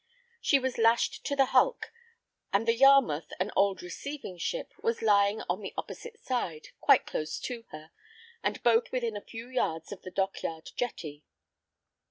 She was lashed to the hulk; and the Yarmouth, an old receiving ship, was lying on the opposite side, quite close to her, and both within a few yards of the Dock yard jetty.